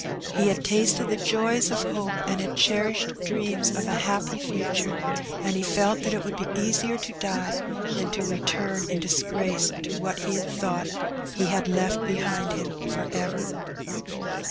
He had tasted the joys of hope and had cherished dreams of a happy future, and he felt that it would be easier to die than to return in disgrace to what he had thought he had left behind him for ever.